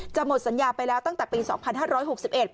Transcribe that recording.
จะหมดสัญญาไปแล้วตั้งแต่ปี๒๕๖๑